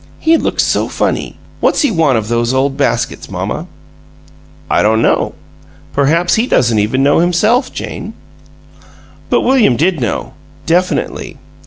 He looks so funny! What's he want of those ole baskets, mamma?" "I don't know. Perhaps he doesn't even know, himself, Jane." But William did know, definitely.